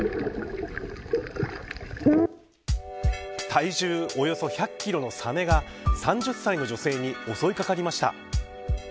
体重およそ１００キロのサメが３０歳の女性に襲いかかりました。